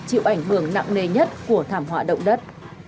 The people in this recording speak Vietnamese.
chịu ảnh hưởng nặng nề nhất của thảm họa động đất